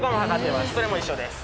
それも一緒です。